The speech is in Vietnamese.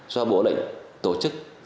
do bộ lệnh tổ chức